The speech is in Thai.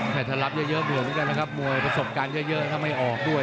ถ้ารับเยอะเบื่อเหมือนกันนะครับมวยประสบการณ์เยอะถ้าไม่ออกด้วย